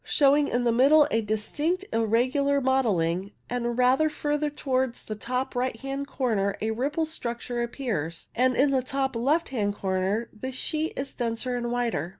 CIRRO STRATUS 49 showing in the middle a distinct irregular mottling ; and rather further towards the top right hand corner a ripple structure appears, and in the top left hand corner the sheet is denser and whiter.